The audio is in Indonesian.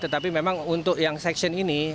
tetapi memang untuk yang seksi ini